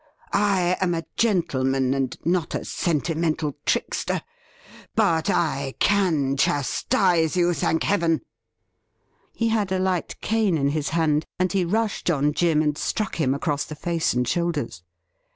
I am a gentleman, and not a sentimental trickster ! But I can chastise you, thank Heaven !' He had a light cane in his hand, and he rushed on Jim and struck him across the face and shoulders.